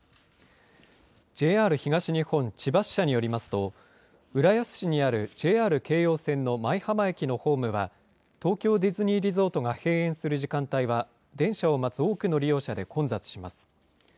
ＪＲ東日本千葉支社によりますと、浦安市にあるＪＲ京葉線の舞浜駅のホームは、東京ディズニーリゾートが閉園する時間帯は、電車を待つ多くの利用者で混雑します。